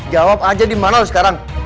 jawab aja di mana sekarang